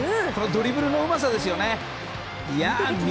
ドリブルのうまさですよね。